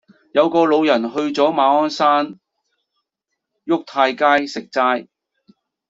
有個老人去左馬鞍山沃泰街食齋